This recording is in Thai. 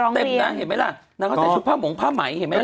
นางก็ใส่ชุดเต็มนะเห็นไหมล่ะนางก็ใส่ชุดผ้าหมงผ้าไหมเห็นไหมล่ะ